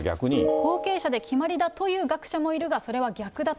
後継者で決まりだという学者もいるが、それは逆だと。